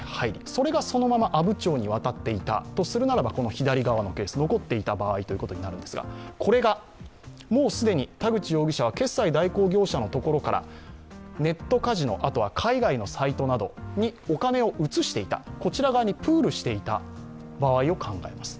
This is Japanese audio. それがそのまま阿武町に渡っていたとするならば左側のケース、残っていた場合となるんですがこれが既に田口容疑者は決済代行業者のところからネットカジノ、海外のサイトなどにお金を移していた、こちら側にプールしていた場合を考えます。